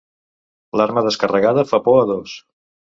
L'arma descarregada fa por a dos.